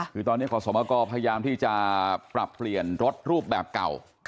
คือตอนนี้ขอสมกรพยายามที่จะปรับเปลี่ยนรถรูปแบบเก่า